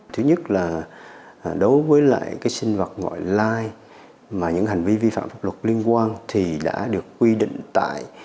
thứ nhất là đối với lại cái sinh vật gọi lai mà những hành vi vi phạm pháp luật liên quan thì đã được quy định tại